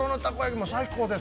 もう最高です。